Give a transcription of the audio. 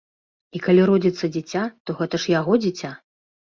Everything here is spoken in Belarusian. І калі родзіцца дзіця, то гэта ж яго дзіця!